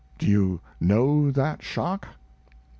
Do you know that shock?